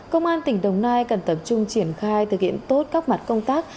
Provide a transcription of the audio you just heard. công an tỉnh đồng nai cần tập trung triển khai thực hiện tốt các mặt công tác